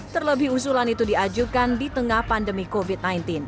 terlebih usulan itu diajukan di tengah pandemi covid sembilan belas